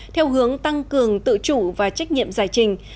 theo hướng tăng cường tự chủ và trách nhiệm giải trình